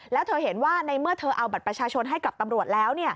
แล้วเธอเห็นว่าในเมื่อเธอเอาบัตรประชาชนให้กับตำรวจแล้ว